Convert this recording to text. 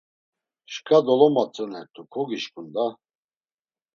“Şǩa dolomatzunert̆u kogişǩun da!”